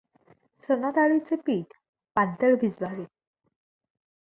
चणाडाळीच्हे पीठ पातंळ भिजवावे.